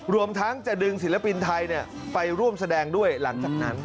รวมทั้งจะดึงศิลปินไทยไปร่วมแสดงด้วยหลังจากนั้น